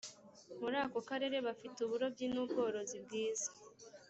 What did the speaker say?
muri ako karere bafite uburobyi n ‘ubworozi bwiza.